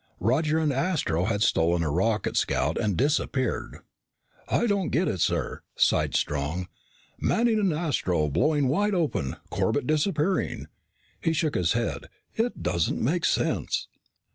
Roger and Astro had stolen a rocket scout and disappeared. "I don't get it, sir," sighed Strong. "Manning and Astro blowing wide open, Corbett disappearing " He shook his head. "It doesn't make sense."